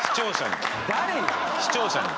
視聴者に。